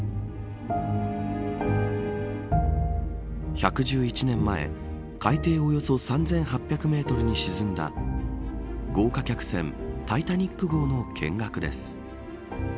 １１１年前、海底およそ３８００メートルに沈んだ豪華客船タイタニック号の見学です。